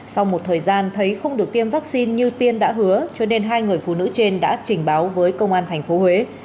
sau một thời gian thấy không được tiêm vaccine như tiên đã hứa cho nên hai người phụ nữ trên đã trình báo với công an tp huế